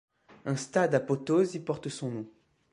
Un stade à Potosí port son nom.